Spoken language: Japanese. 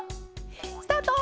スタート！